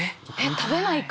食べないか。